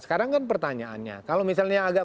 sekarang kan pertanyaannya kalau misalnya agak